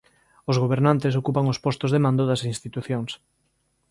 Os gobernantes ocupan os postos de mando das institucións.